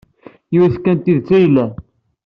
Yiwet kan n tidet ay yellan.